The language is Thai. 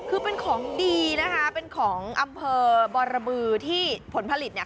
คือเป็นของดีนะคะเป็นของอำเภอบรบือที่ผลผลิตเนี่ย